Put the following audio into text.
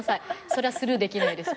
それはスルーできないです。